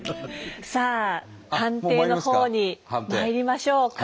さあ判定のほうにまいりましょうか。